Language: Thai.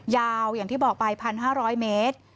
ยาวอย่างที่บอกไป๑๕๐๐เมตร